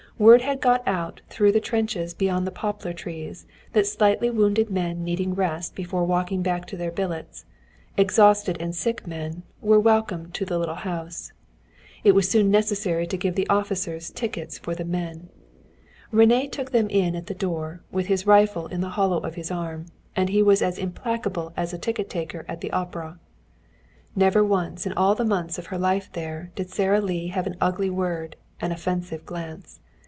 Word had gone out through the trenches beyond the poplar trees that slightly wounded men needing rest before walking back to their billets, exhausted and sick men, were welcome to the little house. It was soon necessary to give the officers tickets for the men. René took them in at the door, with his rifle in the hollow of his arm, and he was as implacable as a ticket taker at the opera. Never once in all the months of her life there did Sara Lee have an ugly word, an offensive glance.